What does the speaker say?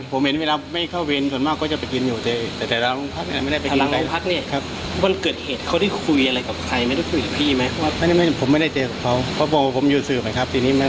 ผมเห็นเวลาไม่เข้าเวรส่วนมากก็จะไปกินอยู่แต่แต่ละโรงพักเนี่ยครับ